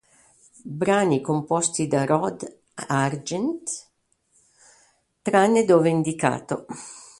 Brani composti da Rod Argent, tranne dove indicato